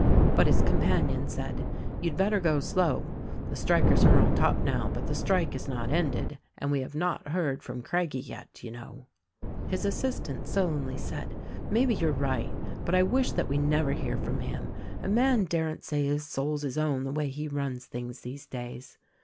But his companion said. "You'd better go slow. The strikers are on top now, but the strike is not ended ; and we have not heard from Craggie yet — you know." His assistant sullenly said, "Maybe you're right, but I wish that we never hear from him. A man daren't say his soul's his own, the way he runs things these days."